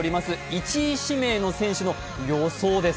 １位指名の選手の予想です。